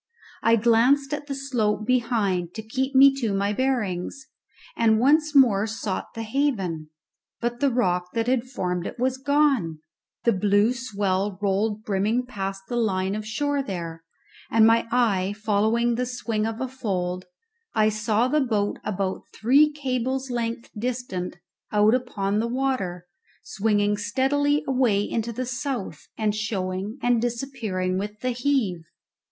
I glanced at the slope behind to keep me to my bearings, and once more sought the haven; but the rock that had formed it was gone, the blue swell rolled brimming past the line of shore there, and my eye following the swing of a fold, I saw the boat about three cables length distant out upon the water, swinging steadily away into the south, and showing and disappearing with the heave.